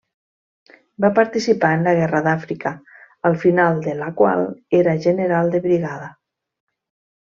Va participar en la guerra d'Àfrica, al final de la qual era general de brigada.